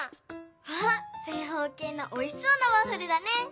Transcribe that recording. わぁ正方形のおいしそうなワッフルだね！